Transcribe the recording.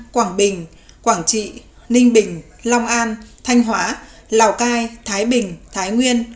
quảng bình quảng trị ninh bình long an thanh hóa lào cai thái bình thái nguyên